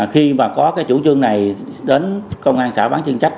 khi mà có cái chủ trương này đến công an xã bán chuyên trách